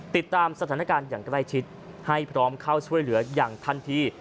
ติดตามสถานการณ์อย่างใกล้ชิดให้พร้อมเข้าช่วยเหลืออย่างทันที